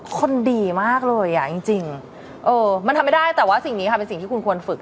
คนดีมากเลยอ่ะจริงเออมันทำไม่ได้แต่ว่าสิ่งนี้ค่ะเป็นสิ่งที่คุณควรฝึก